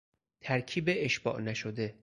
ترکیب اشباع نشده